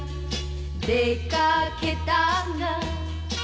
「出掛けたが」